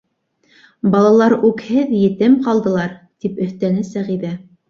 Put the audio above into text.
Балалар үкһеҙ етем ҡалдылар, — тип өҫтәне Сәғиҙә.